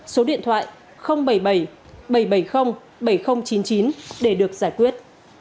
số điện thoại bảy mươi bảy bảy trăm bảy mươi bảy nghìn chín mươi chín để được giải quyết